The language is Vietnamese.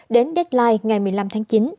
đến deadline ngày một mươi năm tháng chín